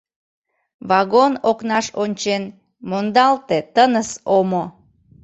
Вагон окнаш ончен, мондалте тыныс омо.